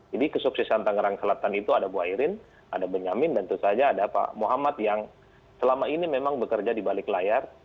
jadi kesuksesan tangerang selatan itu ada bu airin ada benyamin dan tentu saja ada pak muhammad yang selama ini memang bekerja di balik layar